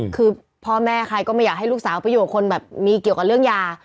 คือพ่อแม่ใครก็ไม่อยากให้ลูกสาวไปอยู่กับคนแบบมีเกี่ยวกับเรื่องยา